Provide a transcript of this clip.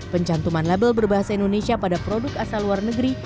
pencantuman label berbahasa indonesia pada produk asal luar negeri